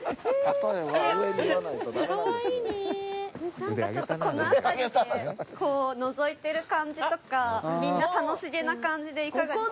なんかちょっとこの辺りでこうのぞいてる感じとかみんな楽しげな感じでいかがですか？